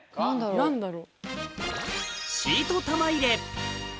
何だろう？